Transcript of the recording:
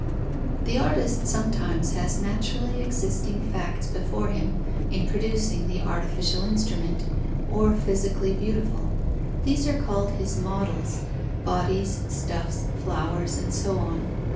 _ The artist sometimes has naturally existing facts before him, in producing the artificial instrument, or physically beautiful. These are called his models: bodies, stuffs, flowers, and so on.